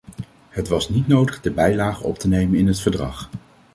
Het was niet nodig de bijlage op te nemen in het verdrag.